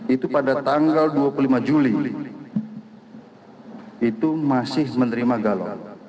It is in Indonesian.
itu pada tanggal dua puluh lima juli itu masih menerima galon